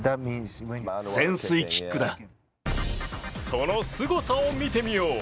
そのすごさを見てみよう。